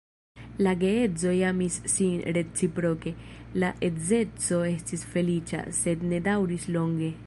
La geedzoj amis sin reciproke, la edzeco estis feliĉa, sed ne daŭris longe.